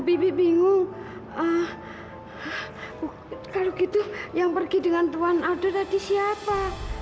bibi bingung kalau gitu yang pergi dengan tuhan ada tadi siapa